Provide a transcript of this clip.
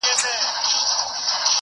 راتلونکی نسل باید هوښیار وي.